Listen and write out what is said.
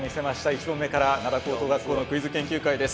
１問目から灘高等学校のクイズ研究会です。